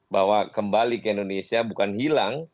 bahwa kembali ke indonesia bukan hilang